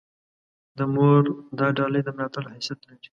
د مور دا ډالۍ د ملاتړ حیثیت لري.